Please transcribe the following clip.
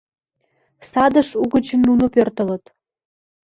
Садыш угычын нуно пӧртылыт —